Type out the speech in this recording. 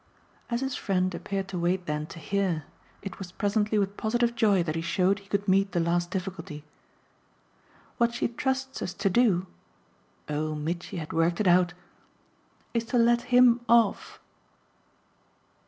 As his friend appeared to wait then to hear, it was presently with positive joy that he showed he could meet the last difficulty. "What she trusts us to do" oh Mitchy had worked it out! "is to let HIM off."